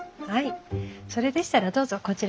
それでしたらどうぞこちらから。